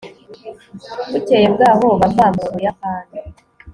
bukeye bwaho, bavaga mu buyapani